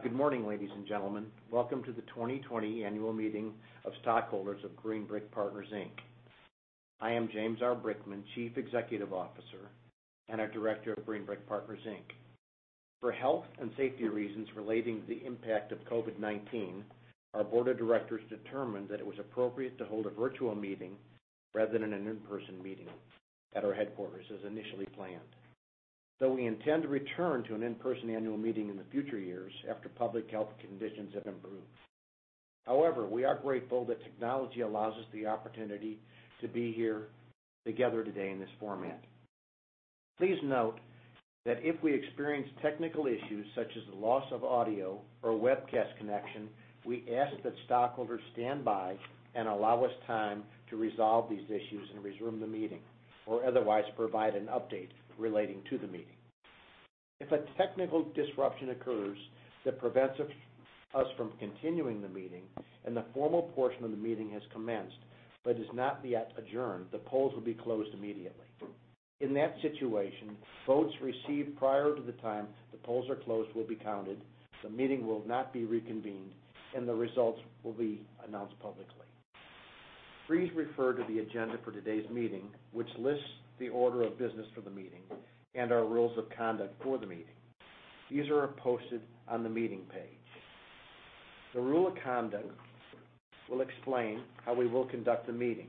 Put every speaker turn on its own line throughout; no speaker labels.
Good morning, ladies and gentlemen. Welcome to the 2020 annual meeting of stockholders of Green Brick Partners. I am James R. Brickman, Chief Executive Officer and a Director of Green Brick Partners. For health and safety reasons relating to the impact of COVID-19, our Board of Directors determined that it was appropriate to hold a virtual meeting rather than an in-person meeting at our headquarters, as initially planned. Though we intend to return to an in-person annual meeting in future years after public health conditions have improved, we are grateful that technology allows us the opportunity to be here together today in this format. Please note that if we experience technical issues such as the loss of audio or webcast connection, we ask that stockholders stand by and allow us time to resolve these issues and resume the meeting, or otherwise provide an update relating to the meeting. If a technical disruption occurs that prevents us from continuing the meeting and the formal portion of the meeting has commenced but is not yet adjourned, the polls will be closed immediately. In that situation, votes received prior to the time the polls are closed will be counted, the meeting will not be reconvened, and the results will be announced publicly. Please refer to the agenda for today's meeting, which lists the order of business for the meeting and our rules of conduct for the meeting. These are posted on the meeting page. The rules of conduct will explain how we will conduct the meeting.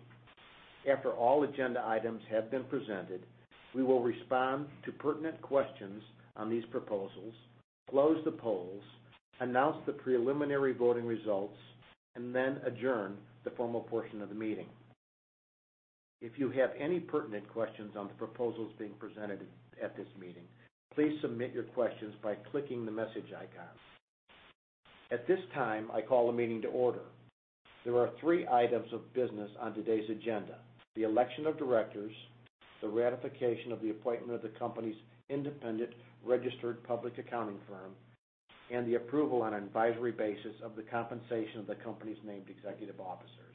After all agenda items have been presented, we will respond to pertinent questions on these proposals, close the polls, announce the preliminary voting results, and then adjourn the formal portion of the meeting. If you have any pertinent questions on the proposals being presented at this meeting, please submit your questions by clicking the message icon. At this time, I call the meeting to order. There are three items of business on today's agenda: the election of directors, the ratification of the appointment of the company's independent registered public accounting firm, and the approval on an advisory basis of the compensation of the company's named executive officers.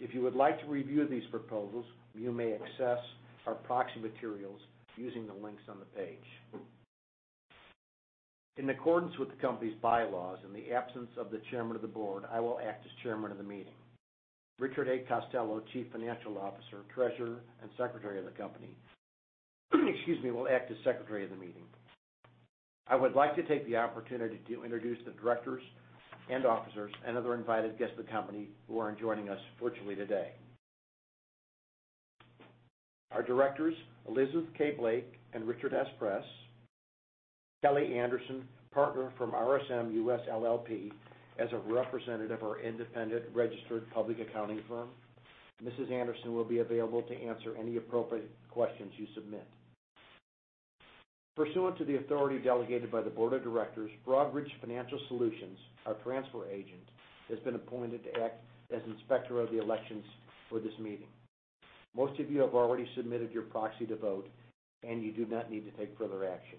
If you would like to review these proposals, you may access our proxy materials using the links on the page. In accordance with the company's bylaws and the absence of the Chairman of the Board, I will act as Chairman of the meeting. Richard A. Costello, Chief Financial Officer, Treasurer and Secretary of the company, excuse me, will act as Secretary of the meeting. I would like to take the opportunity to introduce the directors and officers and other invited guests of the company who are joining us virtually today. Our directors, Elizabeth K. Blake and Richard S. Press, Kelly Anderson, partner from RSM US LLP as a representative of our independent registered public accounting firm. Mrs. Anderson will be available to answer any appropriate questions you submit. Pursuant to the authority delegated by the Board of Directors, Broadridge Financial Solutions, our transfer agent, has been appointed to act as inspector of the elections for this meeting. Most of you have already submitted your proxy to vote, and you do not need to take further action.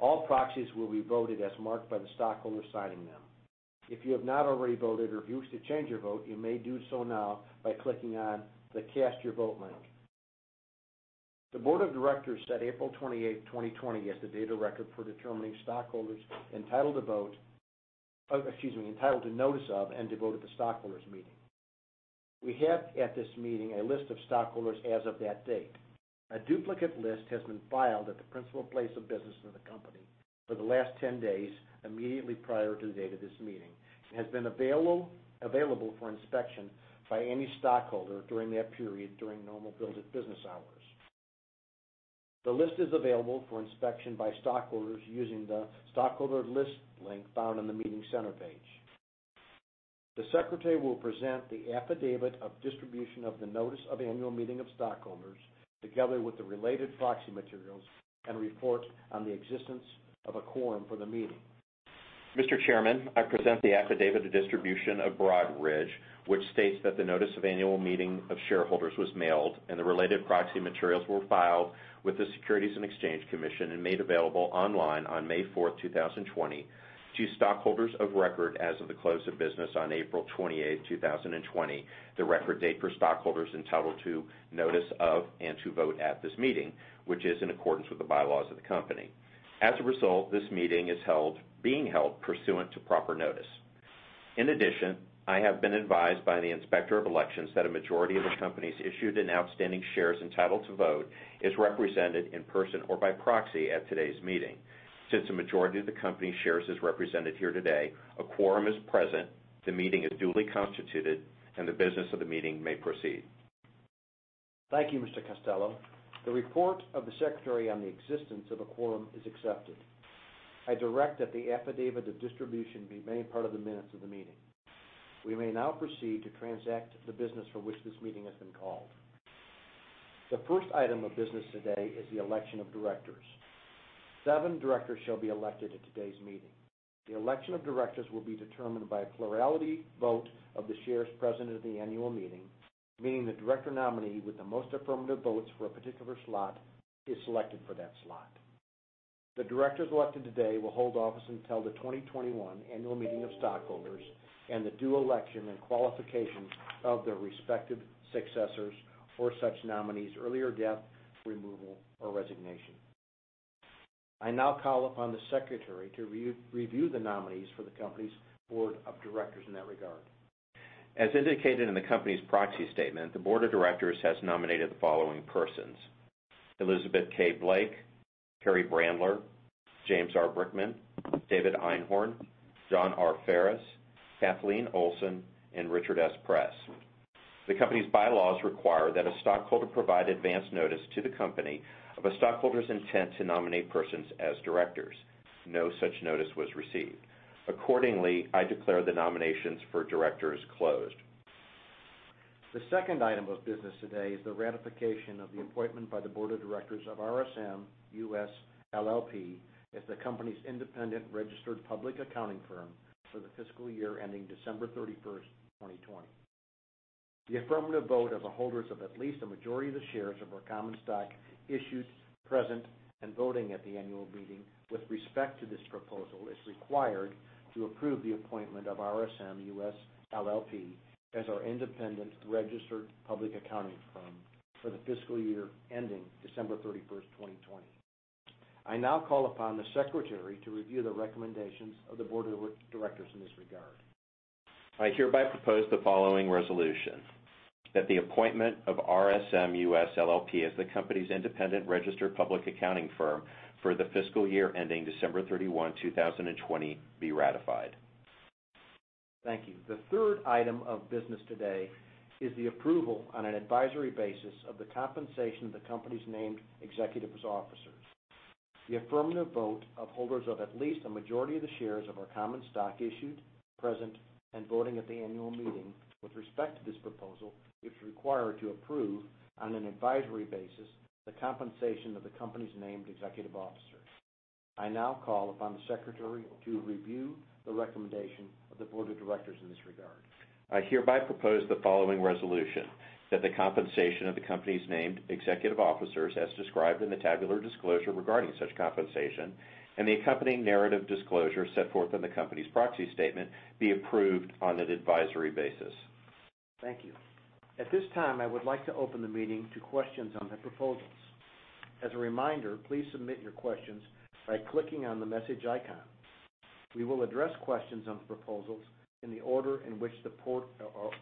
All proxies will be voted as marked by the stockholders signing them. If you have not already voted or if you wish to change your vote, you may do so now by clicking on the Cast Your Vote link. The Board of Directors set April 28, 2020, as the date of record for determining stockholders entitled to vote, excuse me, entitled to notice of and to vote at the stockholders' meeting. We have at this meeting a list of stockholders as of that date. A duplicate list has been filed at the principal place of business of the company for the last 10 days immediately prior to the date of this meeting and has been available for inspection by any stockholder during that period during normal business hours. The list is available for inspection by stockholders using the stockholder list link found on the Meeting Center page. The secretary will present the affidavit of distribution of the notice of annual meeting of stockholders together with the related proxy materials and report on the existence of a quorum for the meeting.
Mr. Chairman, I present the affidavit of distribution of Broadridge, which states that the notice of annual meeting of shareholders was mailed and the related proxy materials were filed with the Securities and Exchange Commission and made available online on May 4, 2020, to stockholders of record as of the close of business on April 28, 2020. The record date for stockholders entitled to notice of and to vote at this meeting, which is in accordance with the bylaws of the company. As a result, this meeting is being held pursuant to proper notice. In addition, I have been advised by the inspector of elections that a majority of the company's issued and outstanding shares entitled to vote is represented in person or by proxy at today's meeting. Since a majority of the company's shares is represented here today, a quorum is present, the meeting is duly constituted, and the business of the meeting may proceed.
Thank you, Mr. Costello. The report of the secretary on the existence of a quorum is accepted. I direct that the affidavit of distribution be made part of the minutes of the meeting. We may now proceed to transact the business for which this meeting has been called. The first item of business today is the election of directors. Seven directors shall be elected at today's meeting. The election of directors will be determined by plurality vote of the shares present at the annual meeting, meaning the director nominee with the most affirmative votes for a particular slot is selected for that slot. The directors elected today will hold office until the 2021 annual meeting of stockholders and the due election and qualification of their respective successors or such nominees' earlier death, removal, or resignation. I now call upon the Secretary to review the nominees for the company's board of directors in that regard.
As indicated in the company's proxy statement, the board of directors has nominated the following persons: Elizabeth K. Blake, Kerry Byrnes, James R. Brickman, David Einhorn, John R. Farris, Kathleen Olsen, and Richard S. Press. The company's bylaws require that a stockholder provide advance notice to the company of a stockholder's intent to nominate persons as directors. No such notice was received. Accordingly, I declare the nominations for directors closed.
The second item of business today is the ratification of the appointment by the board of directors of RSM US LLP as the company's independent registered public accounting firm for the fiscal year ending December 31, 2020. The affirmative vote of the holders of at least a majority of the shares of our common stock issued, present, and voting at the annual meeting with respect to this proposal is required to approve the appointment of RSM US LLP as our independent registered public accounting firm for the fiscal year ending December 31, 2020. I now call upon the secretary to review the recommendations of the board of directors in this regard.
I hereby propose the following resolution: that the appointment of RSM US LLP as the company's independent registered public accounting firm for the fiscal year ending December 31, 2020, be ratified.
Thank you. The third item of business today is the approval on an advisory basis of the compensation of the company's named executive officers. The affirmative vote of holders of at least a majority of the shares of our common stock issued, present, and voting at the annual meeting with respect to this proposal is required to approve on an advisory basis the compensation of the company's named executive officers. I now call upon the secretary to review the recommendation of the board of directors in this regard.
I hereby propose the following resolution: that the compensation of the company's named executive officers, as described in the tabular disclosure regarding such compensation, and the accompanying narrative disclosure set forth in the company's proxy statement be approved on an advisory basis.
Thank you. At this time, I would like to open the meeting to questions on the proposals. As a reminder, please submit your questions by clicking on the message icon. We will address questions on the proposals in the order in which the proposals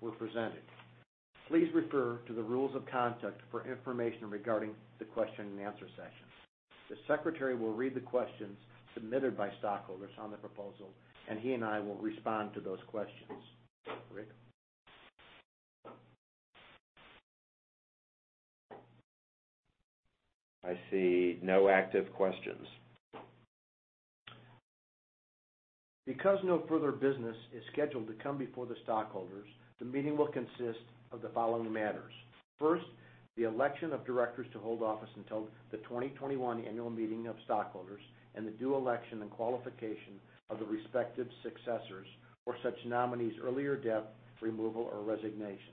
were presented. Please refer to the rules of conduct for information regarding the question and answer session. The Secretary will read the questions submitted by stockholders on the proposal, and he and I will respond to those questions.
I see no active questions.
Because no further business is scheduled to come before the stockholders, the meeting will consist of the following matters. First, the election of directors to hold office until the 2021 annual meeting of stockholders and the due election and qualification of the respective successors or such nominees' earlier death, removal, or resignation.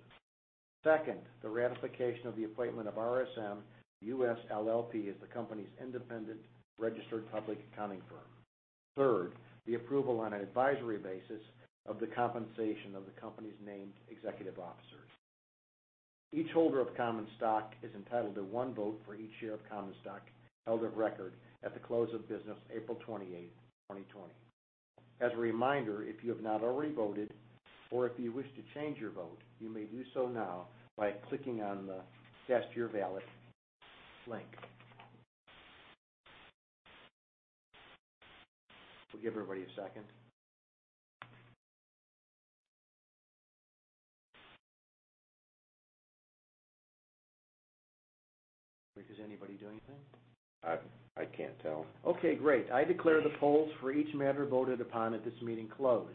Second, the ratification of the appointment of RSM US LLP as the company's independent registered public accounting firm. Third, the approval on an advisory basis of the compensation of the company's named executive officers. Each holder of common stock is entitled to one vote for each share of common stock held of record at the close of business, April 28, 2020. As a reminder, if you have not already voted or if you wish to change your vote, you may do so now by clicking on the Cast Your Ballot link. We'll give everybody a second. Does anybody do anything?
I can't tell.
Okay, great. I declare the polls for each matter voted upon at this meeting closed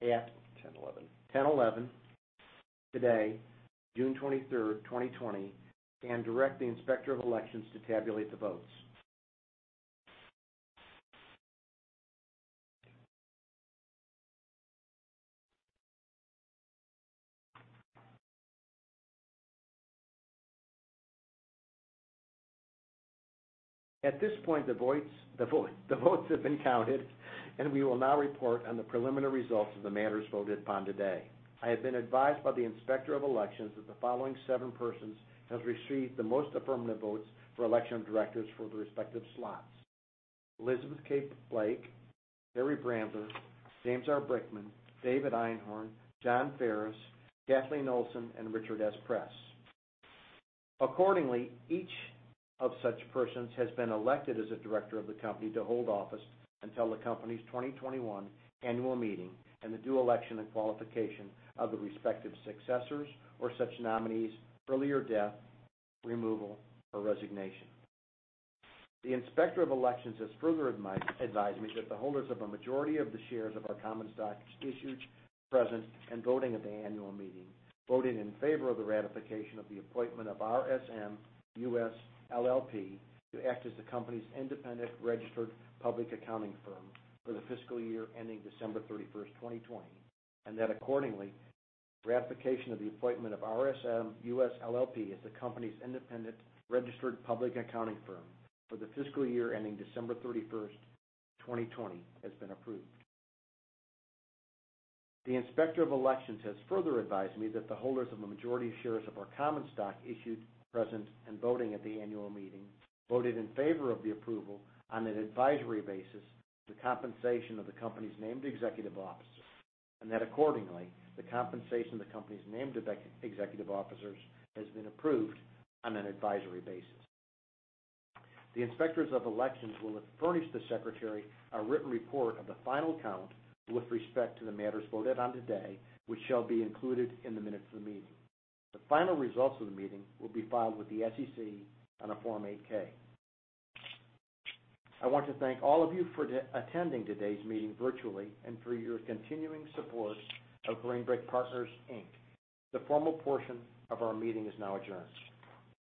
at 10:11. Today, June 23, 2020, and direct the inspector of elections to tabulate the votes. At this point, the votes have been counted, and we will now report on the preliminary results of the matters voted upon today. I have been advised by the inspector of elections that the following seven persons have received the most affirmative votes for election of directors for the respective slots: Elizabeth K. Blake, Harry Brandler, James R. Brickman, David Einhorn, John Farris, Kathleen Olsen, and Richard S. Press. Accordingly, each of such persons has been elected as a director of the company to hold office until the company's 2021 annual meeting and the due election and qualification of the respective successors or such nominees' earlier death, removal, or resignation. The inspector of elections has further advised me that the holders of a majority of the shares of our common stock issued, present, and voting at the annual meeting voted in favor of the ratification of the appointment of RSM US LLP to act as the company's independent registered public accounting firm for the fiscal year ending December 31, 2020, and that accordingly, ratification of the appointment of RSM US LLP as the company's independent registered public accounting firm for the fiscal year ending December 31, 2020, has been approved. The inspector of elections has further advised me that the holders of a majority of shares of our common stock issued, present, and voting at the annual meeting voted in favor of the approval on an advisory basis of the compensation of the company's named executive officers and that accordingly, the compensation of the company's named executive officers has been approved on an advisory basis. The inspectors of elections will furnish the secretary a written report of the final count with respect to the matters voted on today, which shall be included in the minutes of the meeting. The final results of the meeting will be filed with the SEC on a Form 8-K. I want to thank all of you for attending today's meeting virtually and for your continuing support of Green Brick Partners. The formal portion of our meeting is now adjourned.